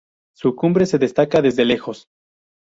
Su cumbre se destaca desde lejos.